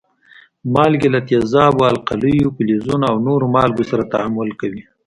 مالګې له تیزابو، القلیو، فلزونو او نورو مالګو سره تعامل کوي.